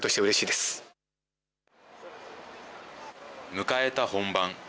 迎えた本番。